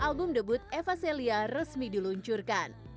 album debut eva celia resmi diluncurkan